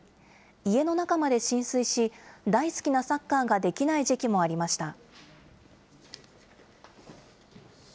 家の中まで浸水し、大好きなサッカーができない時期もありました。